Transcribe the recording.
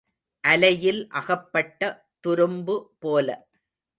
அலையில் அகப்பட்ட துரும்பு போல.